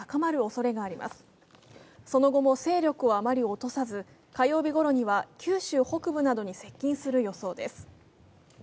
その後も勢力をあまり落とさず火曜日ごろには九州北部などにも接近する予想です。